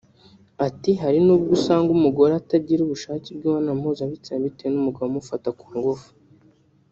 Ati “Hari n’ubwo usanga umugore atagira ubushake bw’imibonano mpuzabitsina bitewe n’umugabo umufata ku ngufu